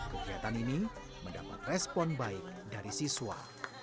kegiatan ini mendapat respon baik dari siswa